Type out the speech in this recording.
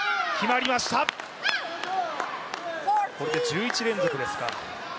これで１１連続ですか。